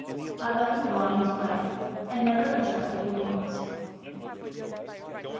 I let him go on in his own way, and never interrupted him once.